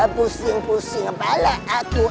pusing pusing kepala aku